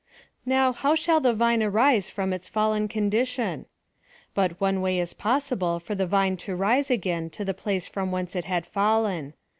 Now, how shall the vine arise from us fallen condi tion ? But one way is possible for the vine to rise again to the place from whence it had fallen.